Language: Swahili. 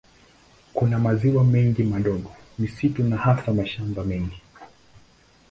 Kuna maziwa mengi madogo, misitu na hasa mashamba mengi.